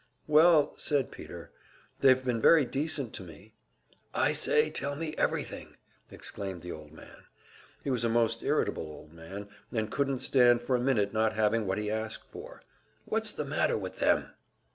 "Well," said Peter, "they've been very decent to me " "I say tell me everything!" exclaimed the old man. He was a most irritable old man, and couldn't stand for a minute not having what he asked for. "What's the matter with them?"